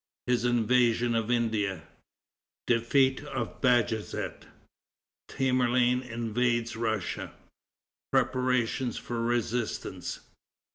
His Invasion of India. Defeat of Bajazet. Tamerlane Invades Russia. Preparations for Resistance.